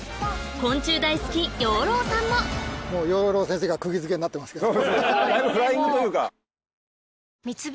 昆虫大好き養老さんももう養老先生がくぎ付けになってますけど。